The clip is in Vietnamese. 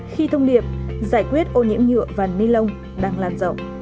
khi thông điệp giải quyết ô nhiễm nhựa và ni lông đang lan rộng